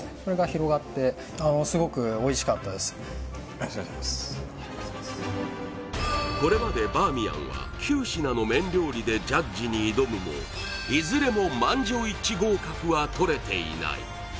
この口の中でこれまでバーミヤンは９品の麺料理でジャッジに挑むもいずれも満場一致合格はとれていない